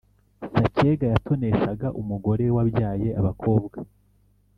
Sacyega yatoneshaga umugore wabyaye abakobwa